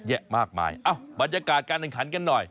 มากมายเอ้าบรรยากาศการแข่งขันกันหน่อย